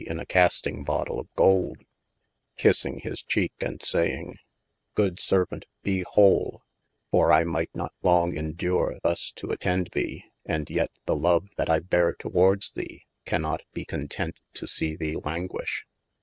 in a casting bottle of Golde, kissing his cheeke and saying : Good servaunt be whoale, for I might not long indure thus to attend thee, and yet the love that I beare towardes thee, cannot be content to see thee languishe.